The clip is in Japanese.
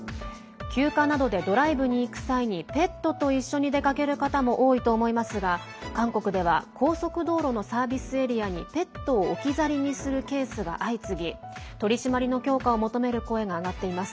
休暇などでドライブに行く際にペットと一緒に出かける方も多いと思いますが韓国では高速道路のサービスエリアにペットを置き去りにするケースが相次ぎ取り締まりの強化を求める声が上がっています。